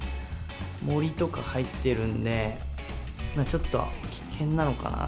森とか入ってるんで、ちょっと危険なのかなぁ。